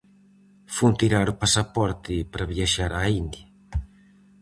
Fun tirar o pasaporte para viaxar á India.